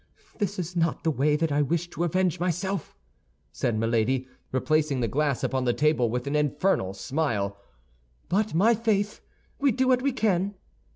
"This is not the way that I wished to avenge myself," said Milady, replacing the glass upon the table, with an infernal smile, "but, my faith! we do what we can!"